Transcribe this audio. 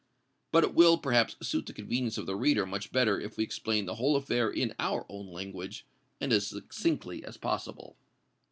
But it will perhaps suit the convenience of the reader much better if we explain the whole affair in our own language, and as succinctly as possible.